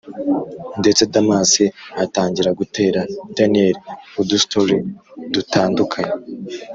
ndetse damas atangira gutera daniel udustory dutandukanye